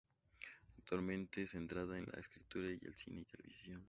Actualmente está centrada en la escritura de cine y televisión.